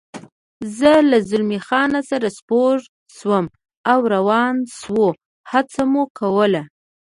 زه له زلمی خان سره سپور شوم او روان شو، هڅه مو کول.